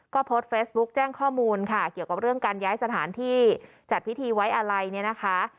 ก็โพสต์เฟซบุ๊กแจ้งข้อมูลค่ะเกี่ยวกับเรื่องการย้ายสถานที่จัดพิธีไว้อะไรเนี่ยนะคะ